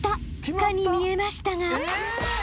［かに見えましたが］